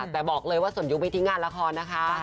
แต่บอกเลยว่าส่วนยุคไม่ทิ้งงานละครนะคะ